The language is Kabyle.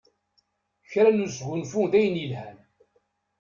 Kra n usgunfu d ayen yelhan.